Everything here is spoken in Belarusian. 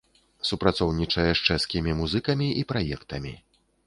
Супрацоўнічае з чэшскімі музыкамі і праектамі.